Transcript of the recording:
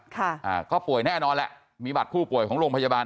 อ่าก็ป่วยแน่นอนแหละมีบัตรผู้ป่วยของโรงพยาบาล